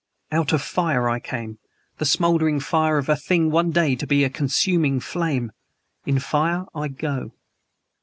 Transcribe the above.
Out of fire I came the smoldering fire of a thing one day to be a consuming flame; in fire I go.